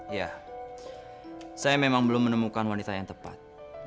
ya saya memang belum menemukan wanita yang tepat